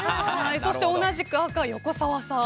そして、同じく赤の横澤さん。